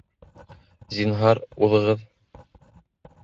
Зинһар, уҙығыҙ